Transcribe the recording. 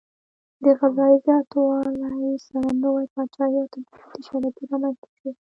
د غذايي زیاتوالي سره نوي پاچاهي او تجارتي شبکې رامنځته شوې.